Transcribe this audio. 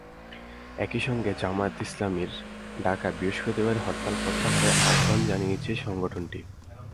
একই সঙ্গে জামায়াতে ইসলামীর ডাকা বৃহস্পতিবারের হরতাল প্রত্যাহারের আহ্বান জানিয়েছে সংগঠনটি।